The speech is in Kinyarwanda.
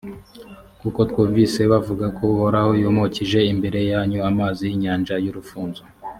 kuko twumvise bavuga ko uhoraho yumukije imbere yanyu amazi y’inyanja y’urufunzo